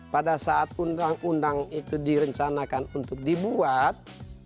pada saat undang undang itu direncanakan untuk dibuat